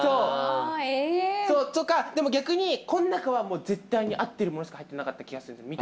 とかでも逆にこの中は絶対に合っているものしか入ってなかった気がするんですよ